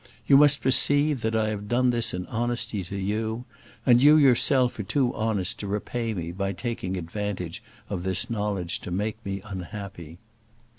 You must perceive that I have done this in honesty to you; and you yourself are too honest to repay me by taking advantage of this knowledge to make me unhappy."